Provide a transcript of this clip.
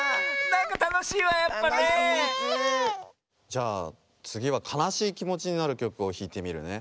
じゃあつぎはかなしいきもちになるきょくをひいてみるね。